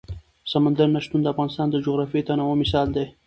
سمندر نه شتون د افغانستان د جغرافیوي تنوع مثال دی.